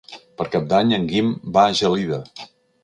Per Cap d'Any en Guim va a Gelida.